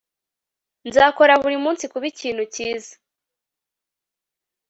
nzakora buri munsi kuba ikintu cyiza